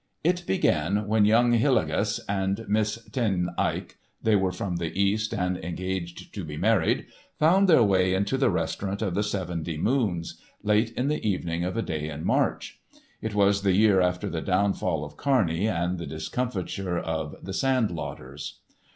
It began when young Hillegas and Miss Ten Eyck (they were from the East, and engaged to be married) found their way into the restaurant of the Seventy Moons, late in the evening of a day in March. (It was the year after the downfall of Kearney and the discomfiture of the sand lotters.)